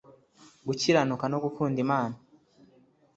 gukiranuka no gukunda Imana